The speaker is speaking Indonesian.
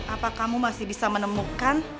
apa kamu masih bisa menemukan